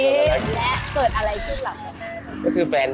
และเกิดอะไรขึ้นหรือเปล่า